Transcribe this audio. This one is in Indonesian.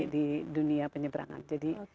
di dunia penyebrangan jadi